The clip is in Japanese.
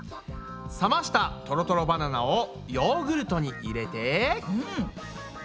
冷ましたトロトロバナナをヨーグルトに入れて。